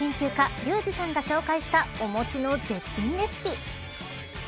リュウジさんが紹介したお餅の絶品レシピ